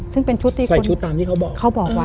ซึ่งเป็นชุดที่ใส่ชุดตามที่เค้าบอก